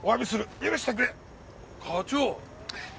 許してくれ！課長！